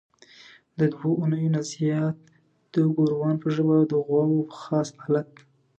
د دوو اونیو نه زیات د ګوروان په ژبه د غواوو په خاص الت.